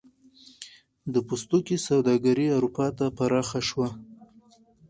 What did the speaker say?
د پوستکي سوداګري اروپا ته پراخه شوه.